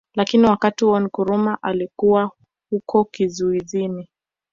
Lakini wakati huo Nkrumah alikuwa yuko kizuizini